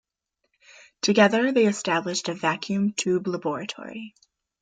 Together they established a vacuum tube laboratory.